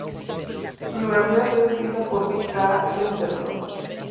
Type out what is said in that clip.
Su biografía ha sido escrita por G. K. Chesterton.